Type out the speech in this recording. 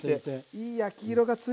いい焼き色がついてます。